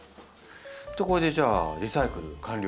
これでじゃあリサイクル完了？